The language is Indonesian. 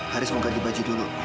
haris mau ganti baju dulu